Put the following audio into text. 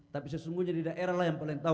tapi sesungguhnya di daerah lah yang pelentau